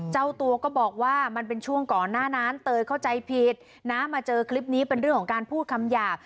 เจ้าตัวก็บอกว่ามันเป็นช่วงก่อนหน้านั้นเตยเข้าใจผิดนะมาเจอคลิปนี้เป็นเรื่องของการพูดคำหยาบ